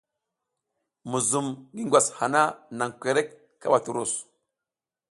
Muzum ngi ngwas hana, nan kwerek kaɓa turus.